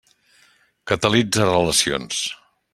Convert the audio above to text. Catalitza relacions.